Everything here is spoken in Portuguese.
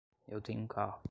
Eu tenho um carro.